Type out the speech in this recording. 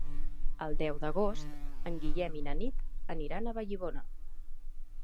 El deu d'agost en Guillem i na Nit aniran a Vallibona.